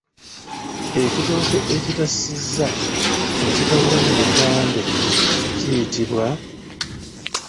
Ekitooke ekitassizza ne kikalira mu lukande kiyitibwa?